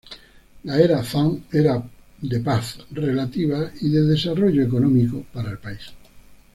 La era Zand era de paz relativa y de desarrollo económico para el país.